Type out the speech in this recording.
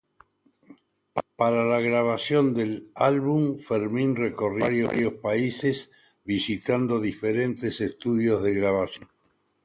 Para la grabación del álbum Fermin recorrió varios países visitando diferentes estudios de grabación.